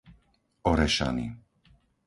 Orešany